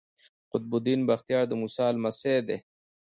قطب الدین بختیار د موسی لمسی دﺉ.